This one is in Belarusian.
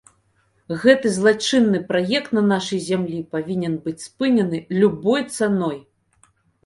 Гэты злачынны праект на нашай зямлі павінен быць спынены любой цаной!